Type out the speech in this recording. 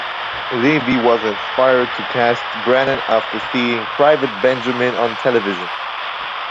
Levy was inspired to cast Brennan after seeing "Private Benjamin" on television.